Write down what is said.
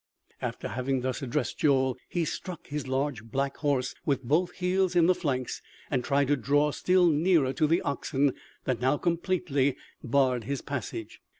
After having thus addressed Joel, he struck his large black horse with both heels in the flanks and tried to draw still nearer to the oxen that now completely barred his passage.